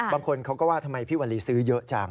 บางคนเขาก็ว่าทำไมพี่วรีซื้อเยอะจัง